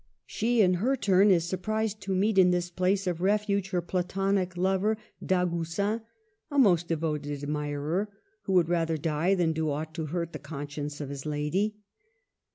She in her turn is surprised to meet in this place of refuge her platonic lover Dagoucin, a most devoted admirer, '' who would rather die than do aught to hurt the conscience of his lady."